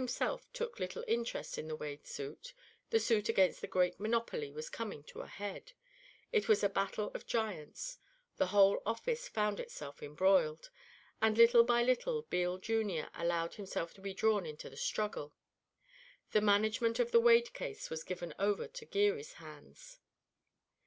himself took little interest in the Wade suit; the suit against the great monopoly was coming to a head; it was a battle of giants; the whole office found itself embroiled, and little by little Beale, Jr., allowed himself to be drawn into the struggle. The management of the Wade case was given over to Geary's hands.